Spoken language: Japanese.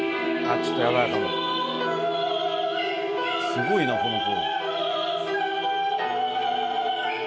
すごいな、この子。